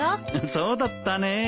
そうだったねえ。